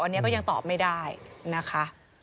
อันนี้ก็ยังตอบไม่ได้นะคะ